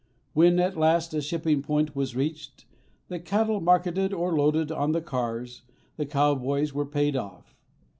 When at last a shipping point was reached, the cattle marketed or loaded on the cars, the cowboys were paid off.